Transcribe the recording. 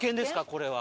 これは。